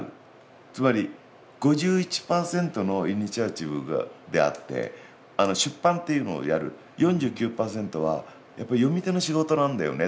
つまり５１％のイニシアチブであって出版っていうのをやる４９％はやっぱり読み手の仕事なんだよねって。